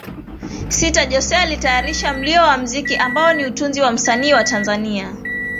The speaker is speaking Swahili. sita Jose alitayarisha mlio wa mziki ambao ni utunzi wa msanii wa Tanzania